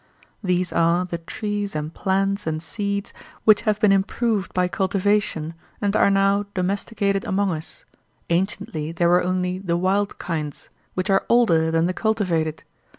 These are the trees and plants and seeds which have been improved by cultivation and are now domesticated among us; anciently there were only the wild kinds, which are older than the cultivated.